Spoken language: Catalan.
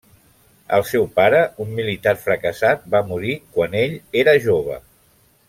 El seu pare, un militar fracassat, va morir quan ell era jove.